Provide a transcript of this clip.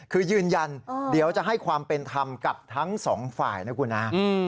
คือยืนยันเดี๋ยวจะให้ความเป็นธรรมกับทั้งสองฝ่ายนะคุณฮะ